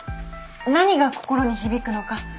何が心に響くのか？